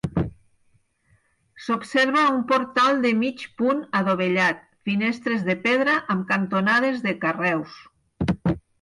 S'observa un portal de mig punt adovellat, finestres de pedra amb cantonades de carreus.